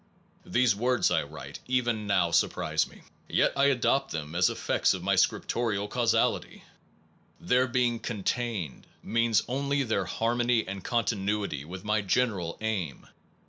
These words I write even now surprise me ; yet I adopt them as effects of my scripto rial causality. Their being contained means 213 SOME PROBLEMS OF PHILOSOPHY only their harmony and continuity with my general aim.